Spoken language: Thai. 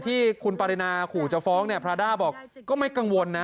ที่คุณปรินาขู่จะฟ้องเนี่ยพระด้าบอกก็ไม่กังวลนะ